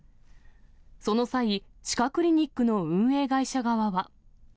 その際、歯科クリニックの運営会社側は。